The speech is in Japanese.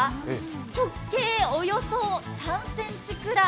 直径およそ３ｃｍくらい。